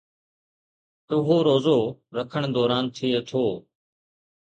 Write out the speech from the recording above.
اهو روزو رکڻ دوران ٿئي ٿو